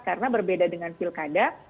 karena berbeda dengan pilkada